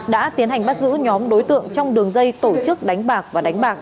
đã tiến hành bắt giữ nhóm đối tượng trong đường dây tổ chức đánh bạc và đánh bạc